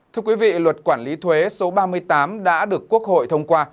thưa quý vị luật quản lý thuế số ba mươi tám đã được quốc hội thông qua